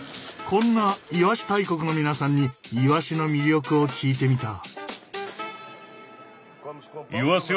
こんなイワシ大国の皆さんにイワシの魅力を聞いてみた。